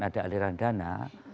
ada aliran dana